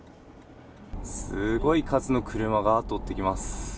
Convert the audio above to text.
すごい数の車が後を追ってきます。